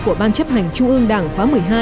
của ban chấp hành trung ương đảng khóa một mươi hai